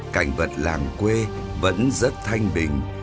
cảnh vật làng quê vẫn rất thanh bình